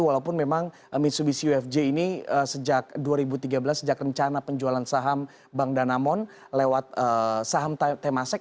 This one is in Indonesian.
walaupun memang mitsubishi ufj ini sejak dua ribu tiga belas sejak rencana penjualan saham bank danamon lewat saham temasek